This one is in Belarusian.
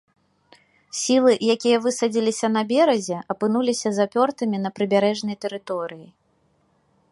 Сілы, якія высадзіліся на беразе, апынуліся запёртымі на прыбярэжнай тэрыторыі.